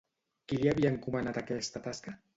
Qui li havia encomanat aquesta tasca?